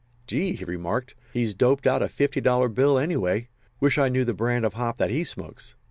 "Gee!" he remarked. "He's doped out a fifty dollar bill, anyway. Wish I knew the brand of hop that he smokes."